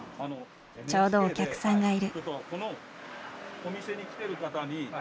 ちょうどお客さんがいる。